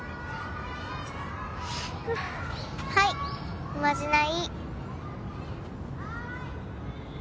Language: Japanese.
はいおまじない